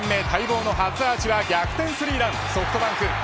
待望の初アーチは逆転スリーランソフトバンク